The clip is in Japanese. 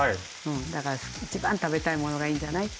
だから一番食べたいものがいいんじゃないって。